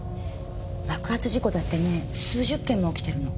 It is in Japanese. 爆発事故だってね数十件も起きてるの。